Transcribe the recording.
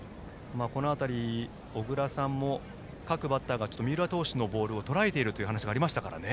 小倉さんも各バッターが三浦投手のボールをとらえているという話がありました。